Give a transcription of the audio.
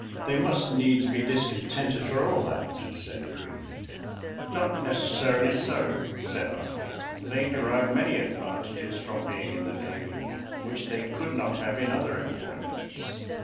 "They must needs be discontented for all that," said Green. "Not necessarily so," said I: "they derive many advantages from being in the navy, which they could not have in other employments.